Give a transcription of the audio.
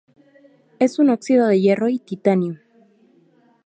Es un óxido de hierro y titanio.